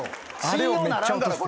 信用ならんがな。